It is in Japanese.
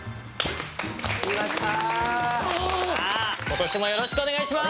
今年もよろしくお願いします。